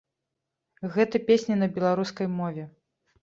Гэта песня на беларускай мове.